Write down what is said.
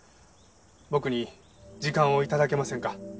僕に時間を頂けませんか？